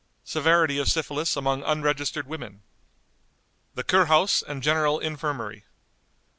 Severity of Syphilis among unregistered Women. The "Kurhaus" and general Infirmary.